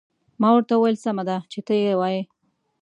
ما ورته وویل: سمه ده، چې ته يې وایې.